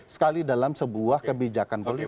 sekali dalam sebuah kebijakan politik